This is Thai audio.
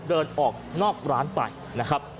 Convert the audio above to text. เดินออกนอกร้านไปนะครับ